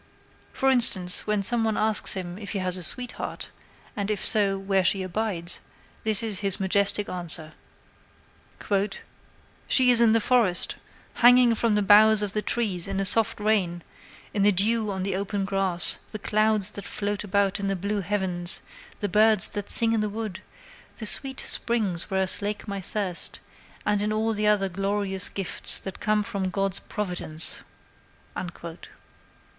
For instance, when some one asks him if he has a sweetheart, and if so, where she abides, this is his majestic answer: "'She's in the forest hanging from the boughs of the trees, in a soft rain in the dew on the open grass the clouds that float about in the blue heavens the birds that sing in the woods the sweet springs where I slake my thirst and in all the other glorious gifts that come from God's Providence!'"